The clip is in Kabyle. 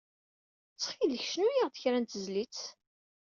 Ttxil-k, cnu-aɣ-d kra n tezlit.